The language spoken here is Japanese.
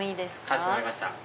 かしこまりました。